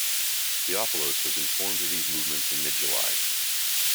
Theophilos was informed of these movements in mid-July.